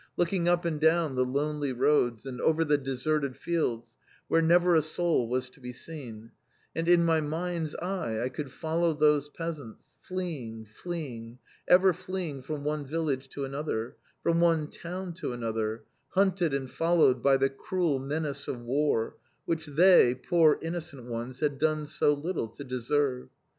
looking up and down the lonely roads, and over the deserted fields where never a soul was to be seen, and in my mind's eye, I could follow those peasants, fleeing, fleeing, ever fleeing from one village to another, from one town to another, hunted and followed by the cruel menace of War which they, poor innocent ones, had done so little to deserve.